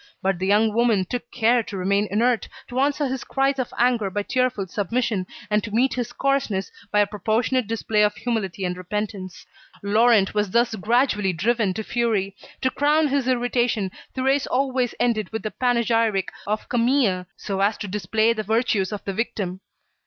But the young woman took care to remain inert, to answer his cries of anger by tearful submission, and to meet his coarseness by a proportionate display of humility and repentance. Laurent was thus gradually driven to fury. To crown his irritation, Thérèse always ended with the panegyric of Camille so as to display the virtues of the victim.